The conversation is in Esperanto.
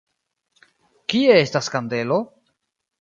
Kie estas kandelo?